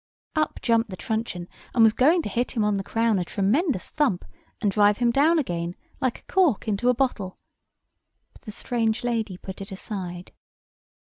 Up jumped the truncheon, and was going to hit him on the crown a tremendous thump, and drive him down again like a cork into a bottle. But the strange lady put it aside.